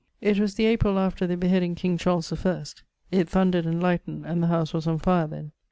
It was the April after the beheading King Charles the first. It thundered and lightened and the house was on fire then.